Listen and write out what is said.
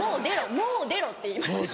もう出ろ！」って言います。